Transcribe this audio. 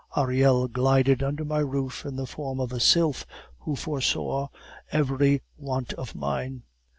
Ariel glided under my roof in the form of a sylph who foresaw every want of mine.